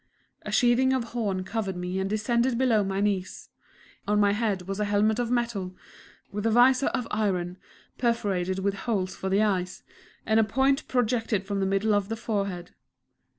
A sheathing of horn covered me and descended below my knees; on my head was a helmet of metal, with a visor of iron, perforated with holes for the eyes, and a point projected from the middle of the forehead.